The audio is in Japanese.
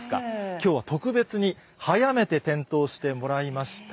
きょうは特別に早めて点灯してもらいました。